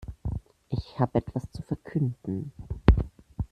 Ich habe etwas zu verkünden.